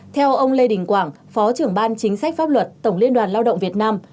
theo ông lê đình quảng phó trưởng ban chính sách pháp luật tổng liên đoàn lao động việt nam